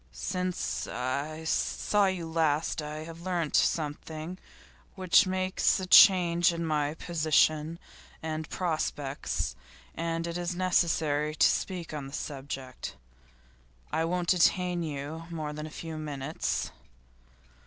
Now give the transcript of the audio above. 'Since I saw you last I have learnt something which makes a change in my position and prospects, and it is necessary to speak on the subject. I won't detain you more than a few minutes.